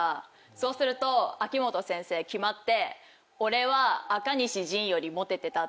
そうすると秋元先生決まって。